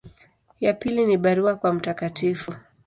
Ya pili ni barua kwa Mt.